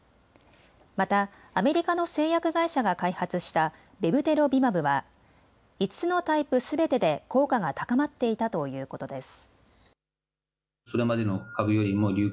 またアメリカの製薬会社が開発したベブテロビマブは５つのタイプすべてで効果が高まっていたということです。